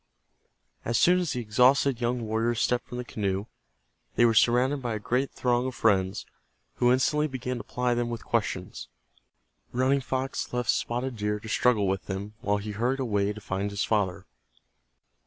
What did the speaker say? As soon as the exhausted young warriors stepped from the canoe they were surrounded by a great throng of friends who instantly began to ply them with questions. Running Fox left Spotted Deer to struggle with them, while he hurried away to find his father.